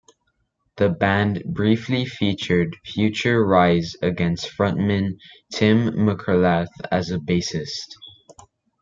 The band briefly featured future Rise Against frontman Tim McIlrath as a bassist.